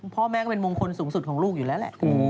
พ่อแม่ก็เป็นมงคลสูงสุดของลูกอยู่แล้วแหละ